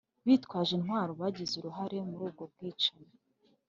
bitwaje intwaro bagize uruhare muri ubwo bwicanyi